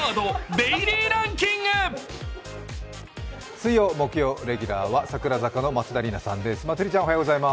水曜・木曜レギュラーは櫻坂の松田里奈ちゃんです。